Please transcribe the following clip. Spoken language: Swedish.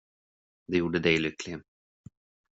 Det gjorde dig lycklig?